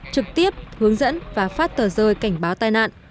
trực tiếp hướng dẫn và phát tờ rơi cảnh báo tai nạn